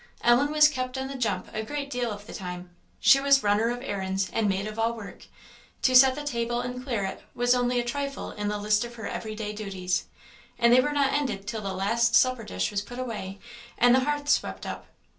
Ellen was kept on the jump a great deal of the time: she was runner of errands and maid of all work to set the table and clear it was only a trifle in the list of her every day duties and they were not ended till the last supper dish was put away and the hearth swept up.